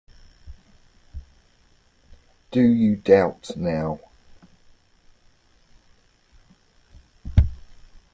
Do you doubt now?